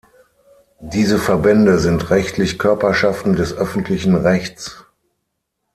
Diese Verbände sind rechtlich Körperschaften des öffentlichen Rechts.